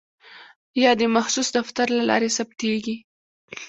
یا د مخصوص دفتر له لارې ثبتیږي.